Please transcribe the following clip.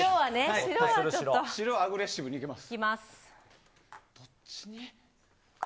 白はアグレッシブに行きます。